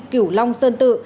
kiểu long sơn tự